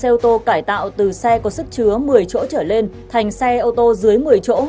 không sử dụng xe ô tô cải tạo từ xe có sức chứa một mươi chỗ trở lên thành xe ô tô dưới một mươi chỗ